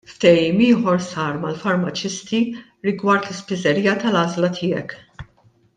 Ftehim ieħor sar mal-farmaċisti rigward l-Ispiżerija tal-Għażla Tiegħek.